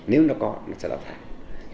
nếu nó có nó sẽ đào thải